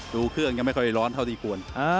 ดูเครื่องยังไม่ค่อยร้อนเท่าที่ควร